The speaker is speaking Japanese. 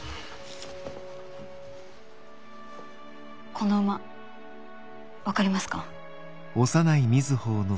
この馬分かりますか？